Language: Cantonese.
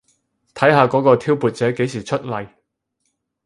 睇下嗰個挑撥者幾時出嚟